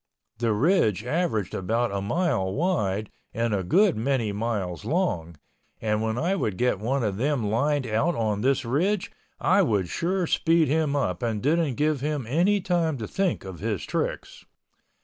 The ridge averaged about a mile wide and a good many miles long, and when I would get one of them lined out on this ridge I would sure speed him up and didn't give him any time to think of his tricks.